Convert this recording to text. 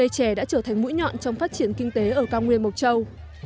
chè đã trở thành mũi nhọn trong phát triển kinh tế ở cao nguyên mộc châu